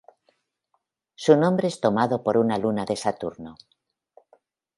Su nombre es tomado por una luna de Saturno.